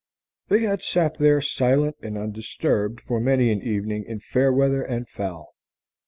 They had sat there silent and undisturbed for many an evening in fair weather and foul.